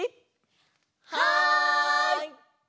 はい！